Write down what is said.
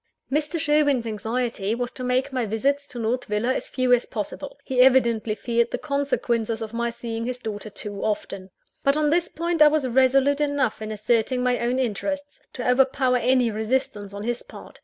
Mr. Sherwin's anxiety was to make my visits to North Villa as few as possible: he evidently feared the consequences of my seeing his daughter too often. But on this point, I was resolute enough in asserting my own interests, to overpower any resistance on his part.